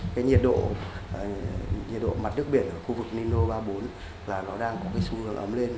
cái nhiệt độ mặt nước biển ở khu vực nino ba mươi bốn là nó đang có cái xu hướng ấm lên